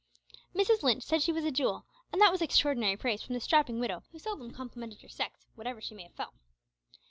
Mrs Lynch said she was a jewel, and that was extraordinary praise from the strapping widow, who seldom complimented her sex, whatever she may have felt.